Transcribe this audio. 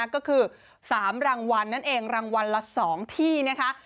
ก็คือ๓รางวัลนั่นเองรางวัลละ๒ที่นะคะ